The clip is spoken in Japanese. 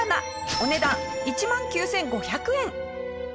お値段１万９５００円。